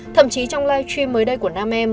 thậm chí trong live stream mới đây của nam em